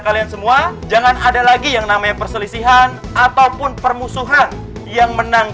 kalian semua jangan ada lagi yang namanya perselisihan ataupun permusuhan yang menang